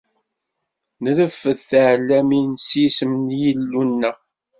Nreffed tiɛellamin s yisem n Yillu-nneɣ.